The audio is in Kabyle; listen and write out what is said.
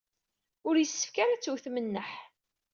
Ur yessefk ara ad tewtem nneḥ.